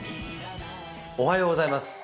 おはようございます。